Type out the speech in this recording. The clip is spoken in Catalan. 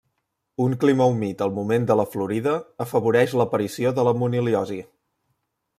Un clima humit al moment de la florida afavoreix l'aparició de la moniliosi.